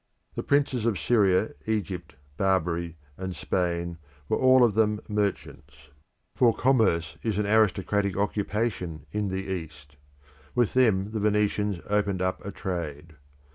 The princes of Syria, Egypt, Barbary, and Spain were all of them merchants, for commerce is an aristocratic occupation in the East. With them the Venetians opened up a trade.